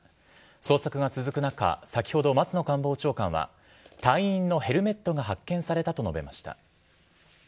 捜索が続く中、先ほど松野官房長官は、隊員のヘルメットが発見されたと述べました。